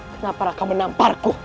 kenapa raka menamparku